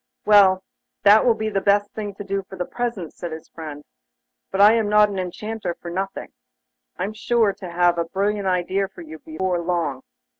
'Well, that will be the best thing to do for the present,' said his friend. 'But I am not an Enchanter for nothing. I'm sure to have a brilliant idea for you before long.